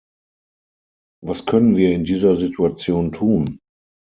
Was können wir in dieser Situation tun?